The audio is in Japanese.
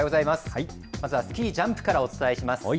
まずはスキージャンプからお伝えします。